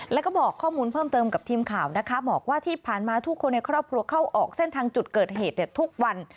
แล้วก็บอกข้อมูลเพิ่มเติมกับทีมข่าวนะคะบอกว่าที่ผ่านมาทุกคนในครอบครัวเข้าออกเส้นทางจุดเกิดเหตุทุกวัน